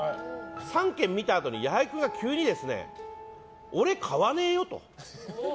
３軒見たあとに、矢作君が急に俺、買わねえよと。